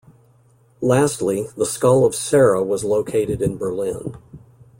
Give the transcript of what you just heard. Lastly, the skull of Sara was located in Berlin.